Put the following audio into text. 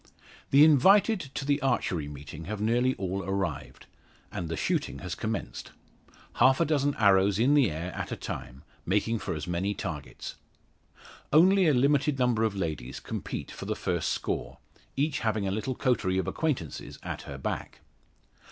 The invited to the archery meeting have nearly all arrived, and the shooting has commenced; half a dozen arrows in the air at a time, making for as many targets. Only a limited number of ladies compete for the first score, each having a little coterie of acquaintances at her back.